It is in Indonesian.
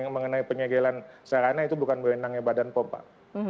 menyegel sarana itu bukan berenangnya badan pom pak